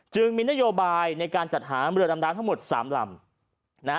มีนโยบายในการจัดหาเรือดำน้ำทั้งหมด๓ลำนะฮะ